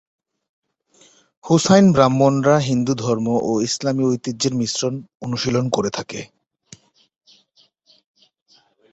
হুসাইন ব্রাহ্মণরা হিন্দুধর্ম ও ইসলামী ঐতিহ্যের মিশ্রণ অনুশীলন করে থাকে।